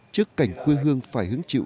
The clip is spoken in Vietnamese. trước cảnh quê hương phải hướng chịu lũ